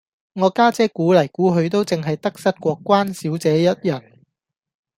我家姐估黎估去都淨係得失過關小姐一人